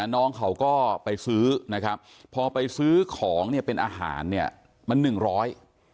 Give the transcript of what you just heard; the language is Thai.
น้องเขาก็ไปซื้อนะครับพอไปซื้อของเนี่ยเป็นอาหารเนี่ยมันหนึ่งร้อย